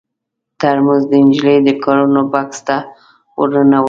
ترموز د نجلۍ د کارتو بکس ته ور ننوځي.